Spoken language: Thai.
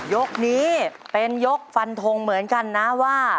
ยกนี้เป็นยกฟันทงเหมือนกันนะว่า